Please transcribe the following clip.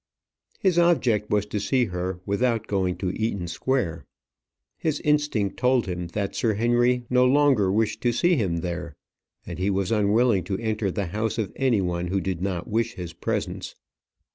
His object was to see her without going to Eaton Square. His instinct told him that Sir Henry no longer wished to see him there, and he was unwilling to enter the house of any one who did not wish his presence.